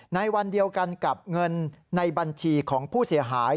ในวันเดียวกันกับเงินในบัญชีของผู้เสียหาย